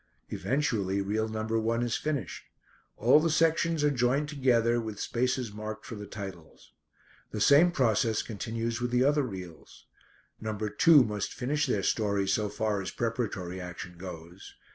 Eventually reel number one is finished. All the sections are joined together, with spaces marked for the titles. The same process continues with the other reels. Number two must finish their story so far as preparatory action goes.